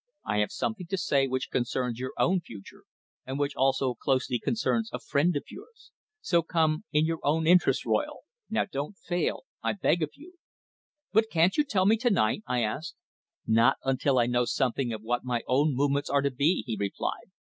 I have something to say which concerns your own future, and which also closely concerns a friend of yours. So come in your own interests, Royle now don't fail, I beg of you!" "But can't you tell me to night," I asked. "Not until I know something of what my own movements are to be," he replied.